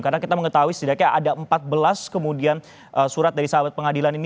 karena kita mengetahui sedikit ada empat belas kemudian surat dari sahabat pengadilan ini